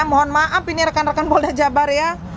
mohon maaf ini rekan rekan boleh jabar ya